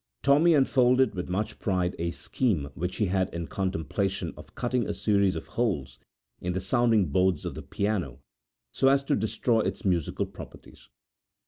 Tommy unfolded with much pride a scheme which he had in contemplation of cutting a series of holes in the sounding board of the piano, so as to destroy its musical properties.